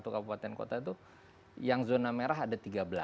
dua ratus enam puluh satu kabupaten kota itu yang zona merah ada tiga belas